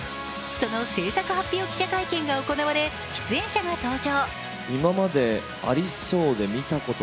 その製作発表記者会見が行われ出演者が登場。